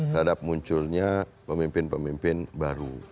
terhadap munculnya pemimpin pemimpin baru